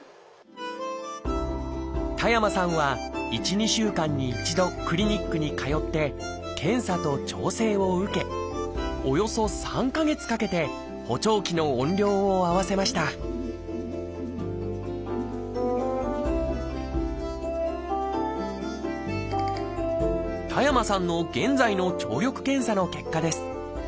田山さんは１２週間に１度クリニックに通って検査と調整を受けおよそ３か月かけて補聴器の音量を合わせました田山さんの現在の聴力検査の結果です。